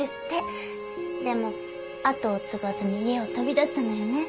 でも後を継がずに家を飛び出したのよね。